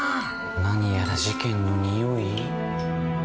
何やら事件のにおい。